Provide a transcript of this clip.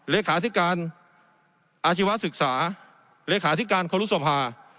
เลขาธิการอาชีวศึกษาเลขาธิการครุสภา